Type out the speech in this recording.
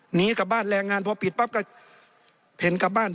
หนีกลับบ้านแรงงานพอปิดปั๊บก็เห็นกลับบ้าน